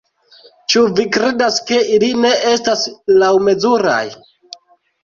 Ĉu vi kredas ke ili ne estas laŭmezuraj?